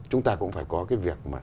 chúng ta cũng phải có cái việc